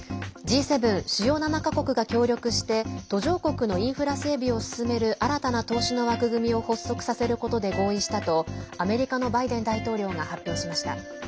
Ｇ７＝主要７か国が協力して途上国のインフラ整備を進める新たな投資の枠組みを発足させることで合意したとアメリカのバイデン大統領が発表しました。